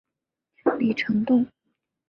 李成栋。